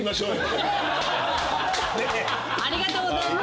ありがとうございます。